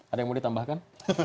ada yang boleh tambahkan